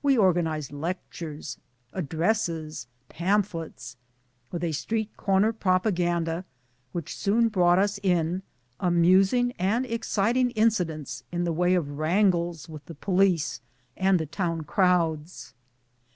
We organized lectures, addresses, pamphlets, with 1 a street corner propaganda which soon brought us in amusing and exciting incidents in the way of wrangles with the police and the town crowds.